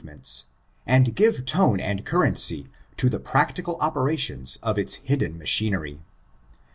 ements, and give tone tjoi cwrreaacj to the practical operations of its hidden machinery.